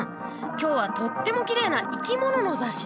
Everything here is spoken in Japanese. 今日はとってもきれいな生き物の雑誌です。